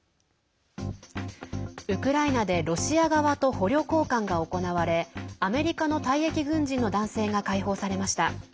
ウクライナでロシア側と捕虜交換が行われアメリカの退役軍人の男性が解放されました。